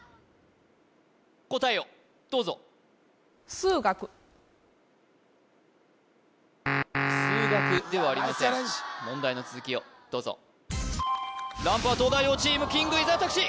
答えをどうぞ数学ではありません問題の続きをどうぞランプは東大王チームキング伊沢拓司